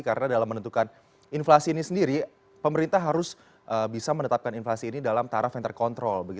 karena dalam menentukan inflasi ini sendiri pemerintah harus bisa menetapkan inflasi ini dalam taraf yang terkontrol